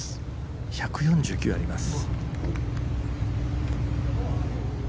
１４９ヤードあります。